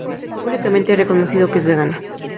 Públicamente ha reconocido que es vegana.